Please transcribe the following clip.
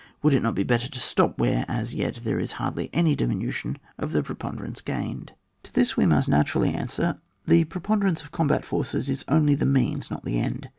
Would it not be better to stop where as yet there is hardly any diminution of the preponderance gained ? To this we must naturally answer : the preponderance of combatant forces is only the means, not the end.